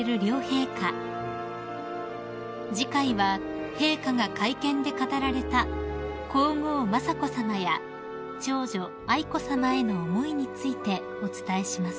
［次回は陛下が会見で語られた皇后雅子さまや長女愛子さまへの思いについてお伝えします］